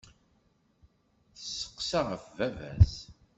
Tesseqsa ɣef baba-s.